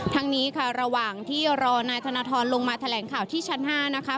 ทั้งนี้ค่ะระหว่างที่รอนายธนทรลงมาแถลงข่าวที่ชั้น๕นะคะ